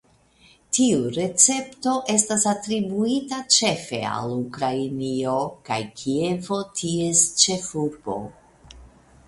Tiu recepto estas atribuita ĉefe al Ukrainio kaj Kievo ties ĉefurbo.